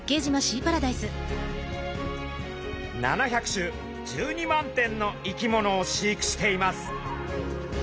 ７００種１２万点の生き物を飼育しています。